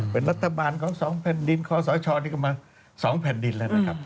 เป็นรัฐบาลของ๒แผ่นดินคอสชนี่ก็มา๒แผ่นดินแล้วนะครับ